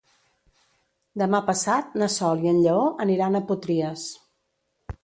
Demà passat na Sol i en Lleó aniran a Potries.